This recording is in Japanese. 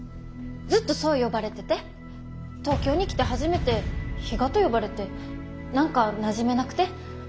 ずっとそう呼ばれてて東京に来て初めて「比嘉」と呼ばれて何かなじめなくて。